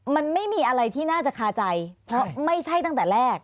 มันไม่มีอะไรที่น่าจะคาใจเพราะไม่ใช่ตั้งแต่แรก